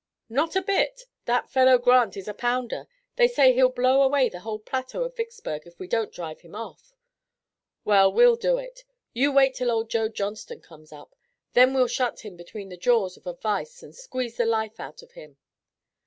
"Not a bit. That fellow Grant is a pounder. They say he'll blow away the whole plateau of Vicksburg if we don't drive him off." "Well, we'll do it. You wait till old Joe Johnston comes up. Then we'll shut him between the jaws of a vise and squeeze the life out of him."